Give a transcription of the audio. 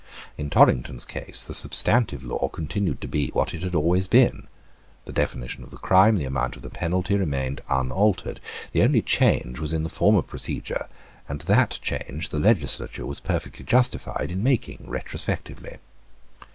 In Torrington's case the substantive law continued to be what it had always been. The definition of the crime, the amount of the penalty, remained unaltered. The only change was in the form of procedure; and that change the legislature was perfectly justified in making retrospectively.